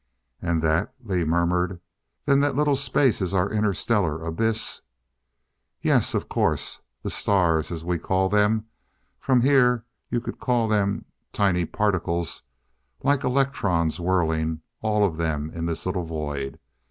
"And that " Lee murmured, "then that little space is our Inter Stellar abyss?" "Yes. Of course. The stars, as we call them from here you could call them tiny particles like electrons whirling. All of them in this little void.